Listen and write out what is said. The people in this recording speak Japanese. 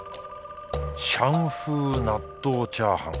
シャン風納豆チャーハン。